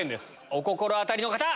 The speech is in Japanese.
お心当たりの方！